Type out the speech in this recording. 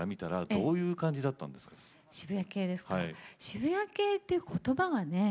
渋谷系っていう言葉がね